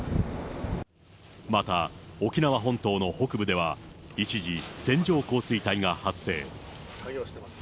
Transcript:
また沖縄本島の北部では、一時、線状降水帯が発生。